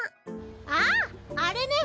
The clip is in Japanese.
あああれね！